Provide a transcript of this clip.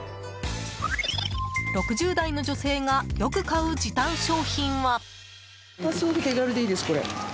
６０代の女性がよく買う時短商品は。